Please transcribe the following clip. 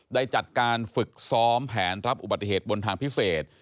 ได้จัดการฝึกซ้อมแผนรับอุบัติเหตุบนทางพิเศษ